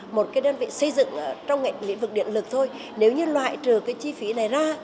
một cái đơn vị xây dựng trong lĩnh vực điện lực thôi nếu như loại trừ cái chi phí này ra